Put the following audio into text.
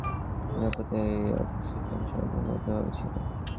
সেনাপতি Abu Sufyan সৈন্যদের মধ্যভাগে ছিল।